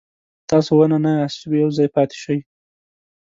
تاسو ونه نه یاست چې په یو ځای پاتې شئ.